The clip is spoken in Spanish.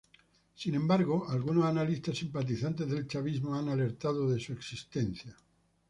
Sin embargo, algunos analistas simpatizantes del chavismo han alertado de su existencia.